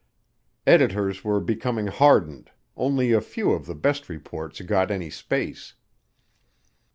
Editors were becoming hardened, only a few of the best reports got any space.